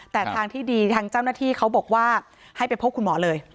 แต่ทางที่ดีทางเจ้าหน้าที่เขาบอกว่าให้ไปพบคุณหมอเลย